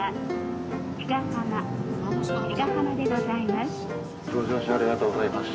「鹿浜でございます」